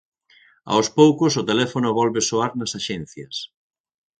Aos poucos, o teléfono volve soar nas axencias.